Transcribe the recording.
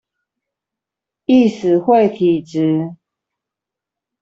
易死會體質